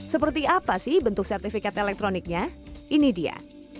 seperti apa sih bentuk sertifikat elektroniknya ini dia